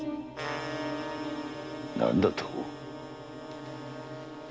何だと？